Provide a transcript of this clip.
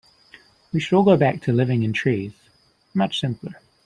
We should all go back to living in the trees, much simpler.